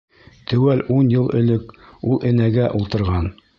Теүәл ун йыл элек ул энәгә «ултырған».